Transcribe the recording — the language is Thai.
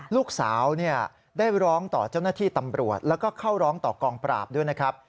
ลูกสาวได้ร้องต่อเจ้าหน้าที่ตำรวจแล้วก็เข้าร้องต่อกองปราบด้วยนะครับ